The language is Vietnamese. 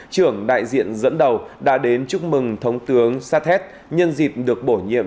trưởng đại diện dẫn đầu đã đến chúc mừng thống tướng sathet nhân dịp được bổ nhiệm